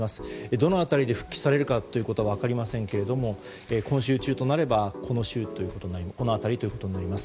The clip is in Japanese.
どの辺りで復帰されるかは分かりませんけども今週中となればこの辺りとなります。